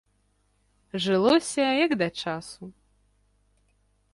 Жылося як да часу.